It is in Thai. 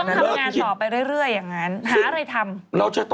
ประเทศไทยของเรามันก็